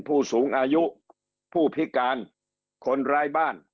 ผู้สูงอายุผู้พิการคนร้ายบ้าน